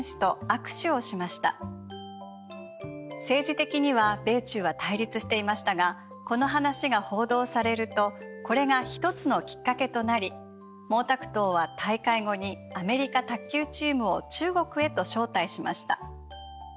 政治的には米中は対立していましたがこの話が報道されるとこれが一つのきっかけとなり毛沢東は大会後にアメリカ卓球チームを中国へと招待しました。